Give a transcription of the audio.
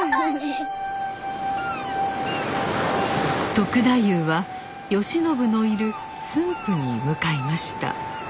篤太夫は慶喜のいる駿府に向かいました。